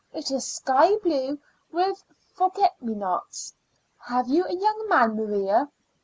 It is sky blue with forget me nots. Have you a young man, Maria?